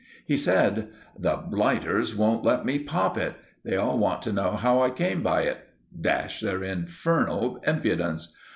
Me said— "The blighters won't let me pop it! They all want to know how I came by it! Dash their infernal impudence!